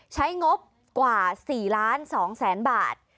ใช้งบกว่า๔๒๐๐๐๐๐บาท